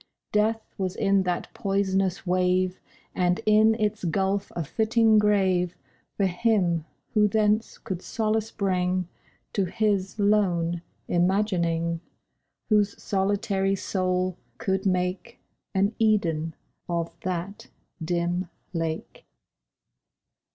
Death was in that poisonous wave, And in its gulf a fitting grave For him who thence could solace bring To his lone imagining— Whose solitary soul could make An Eden of that dim lake.